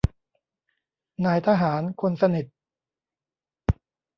นายทหารคนสนิท